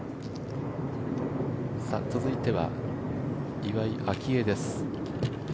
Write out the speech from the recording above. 続いては、岩井明愛です。